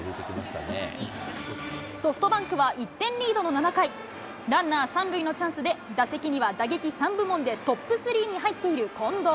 ソフトバンクは１点リードの７回、ランナー３塁のチャンスで打席には打撃３部門でトップ３に入っている近藤。